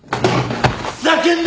ふざけんな！